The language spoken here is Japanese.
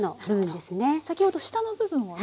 先ほど下の部分をね